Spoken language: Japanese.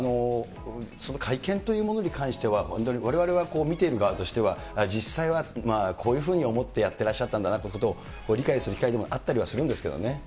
その会見というものに関しては、本当にわれわれは見ている側としては、実際はこういうふうに思ってやってらっしゃったんだなということを理解する機会でもあったりするんですけれどもね。